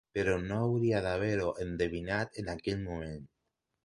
Però no hauria d'haver-ho endevinat en aquell moment.